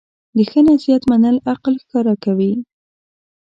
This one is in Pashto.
د ښه نصیحت منل عقل ښکاره کوي.